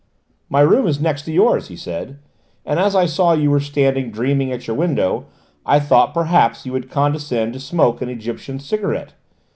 "My room is next to yours," he said, "and as I saw you were standing dreaming at your window I thought perhaps you would condescend to smoke an Egyptian cigarette.